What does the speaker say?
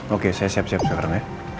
oke saya siap siap sekarang ya